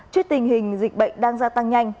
chuyết tình hình dịch bệnh đang gia tăng nhanh